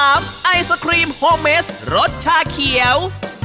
ไอศครีมโฮเมสรสชาเขียว